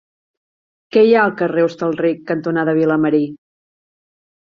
Què hi ha al carrer Hostalric cantonada Vilamarí?